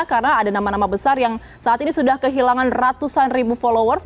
karena ada nama nama besar yang saat ini sudah kehilangan ratusan ribu followers